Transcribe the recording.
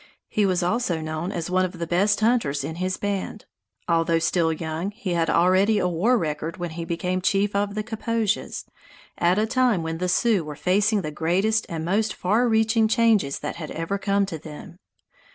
He was also known as one of the best hunters in his band. Although still young, he had already a war record when he became chief of the Kaposias, at a time when the Sioux were facing the greatest and most far reaching changes that had ever come to them.